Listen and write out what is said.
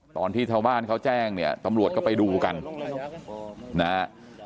ตอนที่ชาวบ้านเขาแจ้งเนี่ยตำรวจก็ไปดูกันนะฮะ